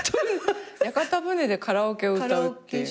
屋形船でカラオケを歌うっていう。